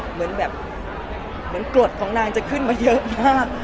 เหมือนแบบเหมือนกรดของนางจะขึ้นมาเยอะมาก